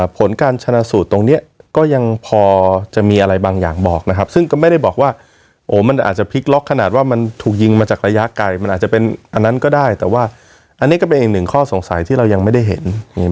ผลการชนะสูตรตรงนี้ก็ยังพอจะมีอะไรบางอย่างบอกนะครับซึ่งก็ไม่ได้บอกว่าโอ้มันอาจจะพลิกล็อกขนาดว่ามันถูกยิงมาจากระยะไกลมันอาจจะเป็นอันนั้นก็ได้แต่ว่าอันนี้ก็เป็นอีกหนึ่งข้อสงสัยที่เรายังไม่ได้เห็น